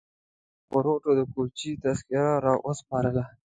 ارماني د خروټو د کوڅې تذکره راوسپارله.